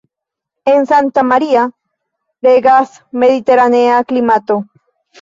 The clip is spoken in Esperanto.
En Santa Maria regas mediteranea klimato.